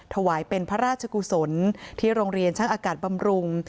ถวายเป็นพระราชกุศลที่โรงเรียนช่างอากาศบำรุง